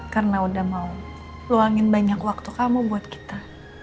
karena udah mau luangin banyak waktu kamu buat kita